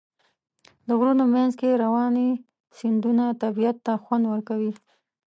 د غرونو منځ کې روانې سیندونه طبیعت ته خوند ورکوي.